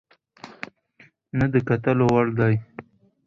نه د کتلو وړ دى،